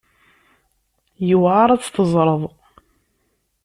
Yewɛer ad tt-teẓreḍ.